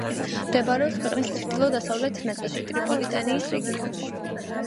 მდებარეობს ქვეყნის ჩრდილო-დასავლეთ ნაწილში, ტრიპოლიტანიის რეგიონში.